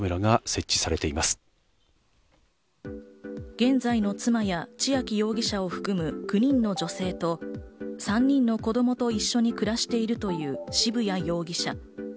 現在の妻や千秋容疑者を含む９人の女性と３人の子供と一緒に暮らしているという渋谷容疑者。